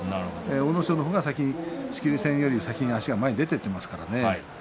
阿武咲の方が先に仕切り線より先に足が前に出ていってますからね。